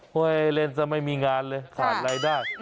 เฮ่ยเล่นสักไม่มีงานเลยขาดรายได้